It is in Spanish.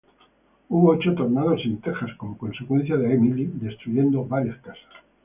Hubo ocho tornados en Texas, como consecuencia de Emily, destruyendo varias casas.